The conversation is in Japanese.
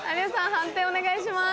判定お願いします。